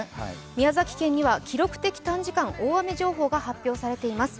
宮崎県には記録的短時間大雨情報が発表されています。